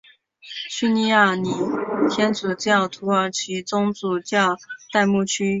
叙利亚礼天主教土耳其宗主教代牧区。